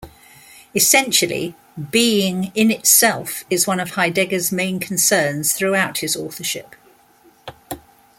Essentially, Being in itself is one of Heidegger's main concerns throughout his authorship.